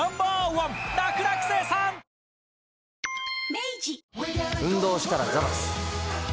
明治運動したらザバス。